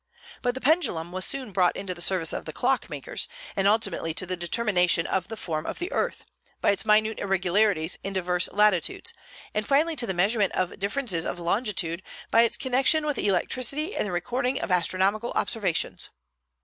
But the pendulum was soon brought into the service of the clockmakers, and ultimately to the determination of the form of the earth, by its minute irregularities in diverse latitudes, and finally to the measurement of differences of longitude by its connection with electricity and the recording of astronomical observations.